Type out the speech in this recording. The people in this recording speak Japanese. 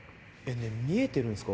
え見えてるんですか？